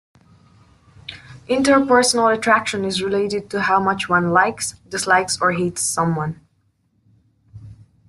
Interpersonal attraction is related to how much one likes, dislikes or hates someone.